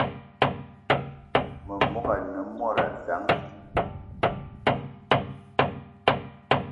Memogo ane mod dang